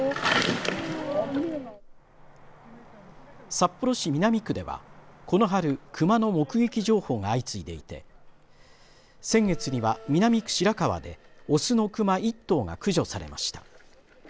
札幌市南区ではこの春熊の目撃情報が相次いでいて先月には南区白川で雄の熊１頭が駆除されました。